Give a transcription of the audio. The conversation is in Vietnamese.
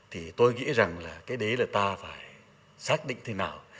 thì tôi nghĩ rằng là cái đấy là ta phải xác định thế nào